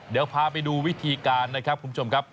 เดี๋ยวพาไปดูวิธีการนะครับคุณผู้ชมครับ